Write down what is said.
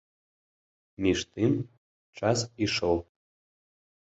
Між тым, час ішоў.